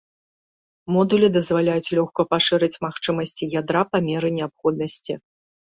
Модулі дазваляюць лёгка пашырыць магчымасці ядра па меры неабходнасці.